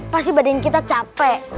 pasti badan kita capek